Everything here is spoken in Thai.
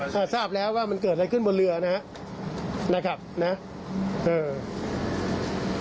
ถ้าทราบแล้วว่ามันเกิดอะไรขึ้นบนเรือนะครับนะเออ